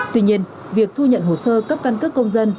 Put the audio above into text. tuy nhiên việc thu nhận hồ sơ cấp căn cước công dân